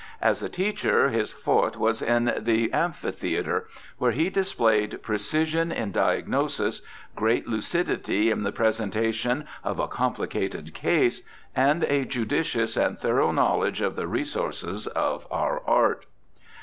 As a teacher his forte was in the amphi theatre, where he displayed precision in diagnosis, great lucidity in the presentation of a complicated case, and a judicious and thorough knowledge of the resources of our art.